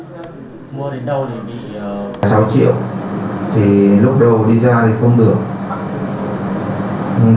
sáu triệu thì lúc đầu đi ra thì không được